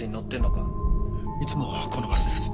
いつもこのバスです。